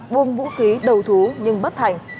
buông vũ khí đầu thú nhưng bất thành